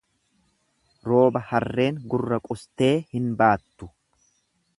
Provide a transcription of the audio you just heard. Rooba harreen gurra qustee hin baattu.